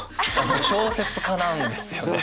小説家なんですよね。